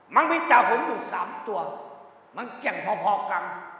มันมีจ่าฝุมอยู่สามตัวมันแก่งพอกัน